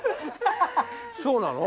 そうなの？